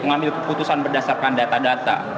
mengambil keputusan berdasarkan data data